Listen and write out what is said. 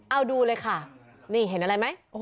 เอาดูเลยค่ะนี่เห็นอะไรไหม